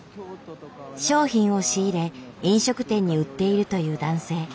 商品を仕入れ飲食店に売っているという男性。